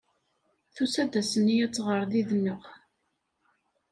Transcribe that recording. Tusa-d ass-nni ad tɣer did-neɣ.